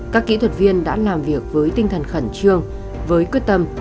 các kỹ thuật viên đã làm việc với tinh thần khẩn trương với quyết tâm